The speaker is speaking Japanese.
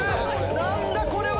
何だこれは！